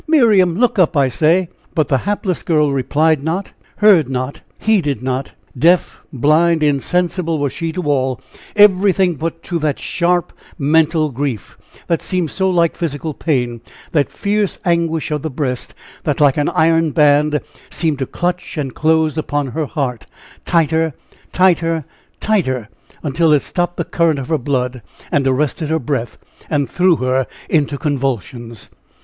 Miriam, look up, I say!" But the hapless girl replied not, heard not, heeded not; deaf, blind, insensible was she to all everything but to that sharp, mental grief, that seemed so like physical pain; that fierce anguish of the breast, that, like an iron band, seemed to clutch and close upon her heart, tighter, tighter, tighter, until it stopped the current of her blood, and arrested her breath, and threw her into convulsions.